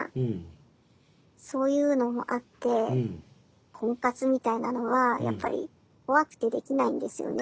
そういうのもあって婚活みたいなのはやっぱり怖くてできないんですよね。